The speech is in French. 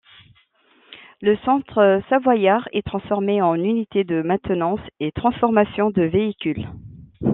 Le centre savoyard est transformé en unité de maintenance et transformation de véhicules.